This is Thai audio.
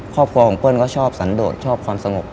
ครอบครัวของเปิ้ลก็ชอบสันโดดชอบความสงบ